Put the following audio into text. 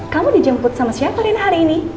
kamu dijemput sama siapa rin hari ini